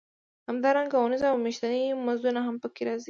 همدارنګه اونیز او میاشتني مزدونه هم پکې راځي